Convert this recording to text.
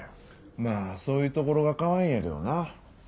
まあそういうところがかわいいんやけどな。